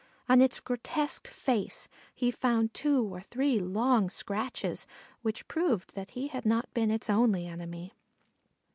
On its grotesque face he found two or three long scratches which proved that he had not been its only enemy.